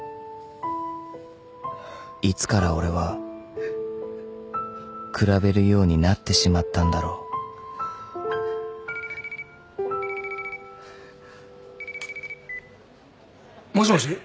［いつから俺は比べるようになってしまったんだろう］もしもし？